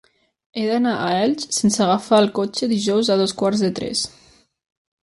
He d'anar a Elx sense agafar el cotxe dijous a dos quarts de tres.